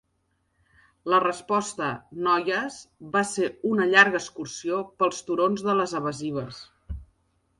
La resposta, noies, va ser una llarga excursió pels turons de les evasives.